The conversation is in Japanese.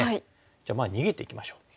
じゃあまあ逃げていきましょう。